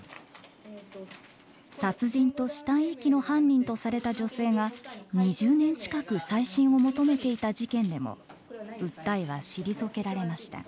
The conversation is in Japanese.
殺人と死体遺棄の犯人とされた女性が２０年近く再審を求めていた事件でも訴えは退けられました。